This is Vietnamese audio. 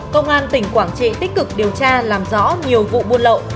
công an tỉnh quảng trị tích cực điều tra làm rõ nhiều vụ buôn lậu